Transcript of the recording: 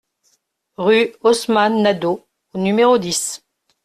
Rue Osman Nadeau au numéro dix